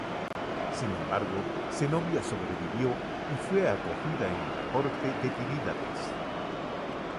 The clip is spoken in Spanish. Sin embargo, Zenobia sobrevivió, y fue acogida en la corte de Tirídates.